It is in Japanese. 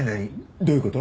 どういう事？